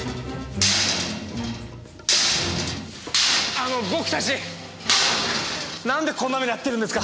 あの僕たちなんでこんな目に遭ってるんですか？